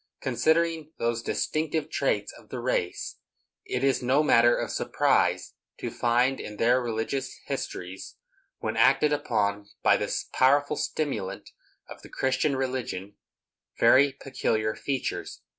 Considering those distinctive traits of the race, it is no matter of surprise to find in their religious histories, when acted upon by the powerful stimulant of the Christian religion, very peculiar features.